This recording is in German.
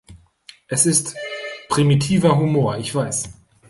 Es ist primitiver Humor, ich weiß.